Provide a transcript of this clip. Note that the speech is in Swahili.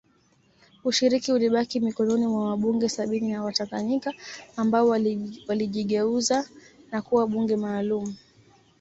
Ushiriki ulibaki mikononi mwa wabunge sabini wa Tanganyika ambao walijigeuza na kuwa bunge maalum